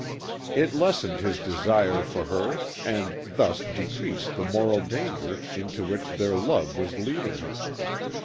It lessened his desire for her and thus decreased the moral danger into which their love was leading her.